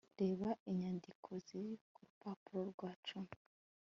reba inyandiko ziri ku rupapuro rwa cumi